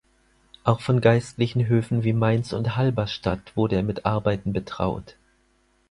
Auch von geistlichen Höfen wie Mainz und Halberstadt wurde er mit Arbeiten betraut.